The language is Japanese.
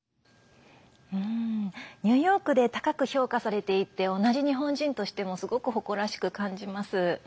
ニューヨークで高く評価されていて同じ日本人としてもすごく誇らしく感じます。